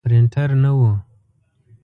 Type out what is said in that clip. پرنټر نه و.